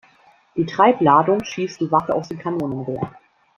Die Treibladung schießt die Waffe aus dem Kanonenrohr.